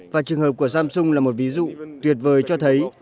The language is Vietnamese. và trường hợp của samsung là một ví dụ tuyệt vời cho thấy